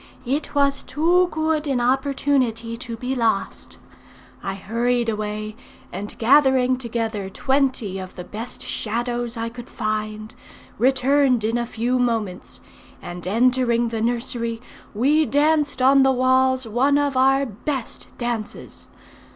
It was too good an opportunity to be lost. I hurried away, and gathering together twenty of the best Shadows I could find, returned in a few moments; and entering the nursery, we danced on the walls one of our best dances.